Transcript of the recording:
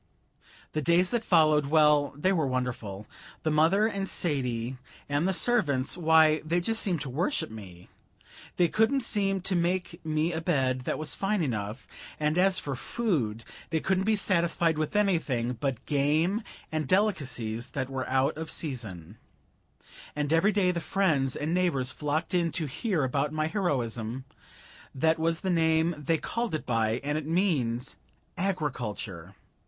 The days that followed well, they were wonderful. The mother and Sadie and the servants why, they just seemed to worship me. They couldn't seem to make me a bed that was fine enough; and as for food, they couldn't be satisfied with anything but game and delicacies that were out of season; and every day the friends and neighbors flocked in to hear about my heroism that was the name they called it by, and it means agriculture.